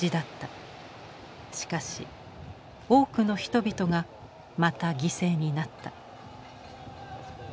しかし多くの人々がまた犠牲になった。